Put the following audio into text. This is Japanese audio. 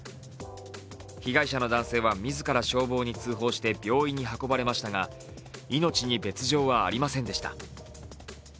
被害者の男性は、自ら消防に通報して病院に運ばれましたが、命に別状はありませんでした。